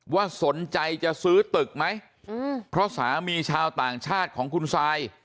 ว่าสนใจจะซื้อตึกไหมเพราะสามีชาวต่างชาติของคุณซาย